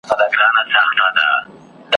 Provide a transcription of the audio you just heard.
په ماشومو یتیمانو به واسکټ نه سي منلای ,